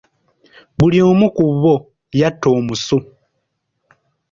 Buli omu ku bo yatta omusu.